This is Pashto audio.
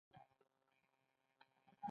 د سړک خنډونو ته پام د ژوند ساتنه ده.